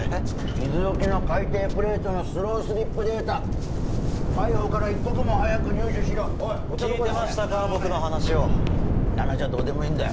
伊豆沖の海底プレートのスロースリップデータ海保から一刻も早く入手しろおい聞いてましたか僕の話をそんな話はどうでもいいんだよ